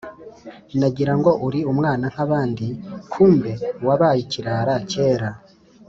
Nagira ngo uri umwana nk’abandi, kumbe wabaye ikirara cyera